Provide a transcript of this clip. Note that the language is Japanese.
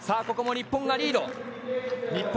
ここも日本がリード。